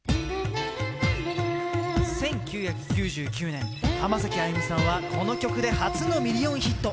１９９９年、浜崎あゆみさんはこの曲で初のミリオンヒット。